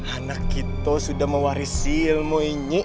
anak kita sudah mewarisi ilmu ini